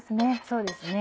そうですね。